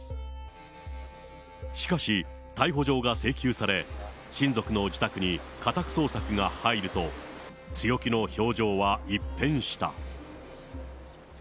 しかし、逮捕状が請求され、親族の自宅に家宅捜索が入ると、強気の表情は一変した。